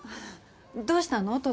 どうしたの？